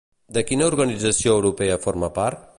De quina organització europea forma part?